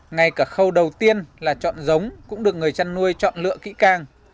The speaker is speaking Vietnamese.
ngay cả khâu đầu tiên là chọn giống cũng được người chăn nuôi chọn lựa kỹ càng